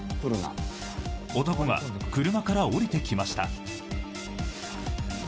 男が車から降りてきました。